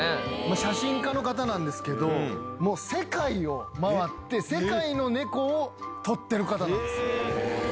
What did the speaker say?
写真家の方なんですけど世界を回って世界の猫を撮ってる方なんです。